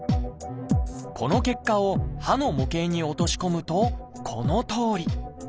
この結果を歯の模型に落とし込むとこのとおり。